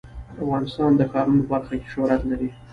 افغانستان د ښارونو په برخه کې شهرت لري.